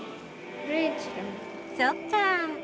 そっか。